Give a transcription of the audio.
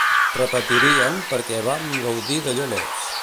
Repetiríem, perquè vam gaudir d'allò més!